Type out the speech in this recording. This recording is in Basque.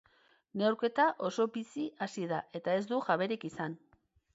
Neurketa oso bizi hasi da eta ez du jaberik izan.